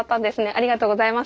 ありがとうございます。